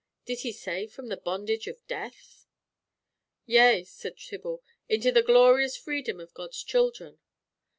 Did he say from the bondage of death?" "Yea," said Tibble, "into the glorious freedom of God's children."